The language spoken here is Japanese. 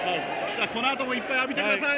この後もいっぱい浴びてください。